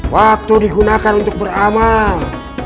waktu digunakan untuk beramal